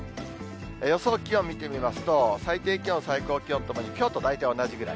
予想気温見てみますと、最低気温、最高気温ともに、きょうと大体同じぐらい。